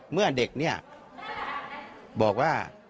เมื่อเด็กบอกว่า